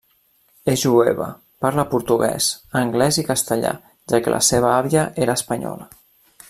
És jueva, parla portuguès, anglès i castellà, ja que la seva àvia era espanyola.